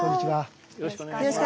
よろしくお願いします。